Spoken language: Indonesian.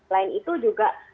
lain itu juga